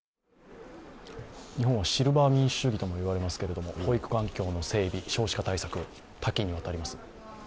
日本はシルバー民主主義ともいわれますが、保育環境の整備、少子化対策、多岐にわたります。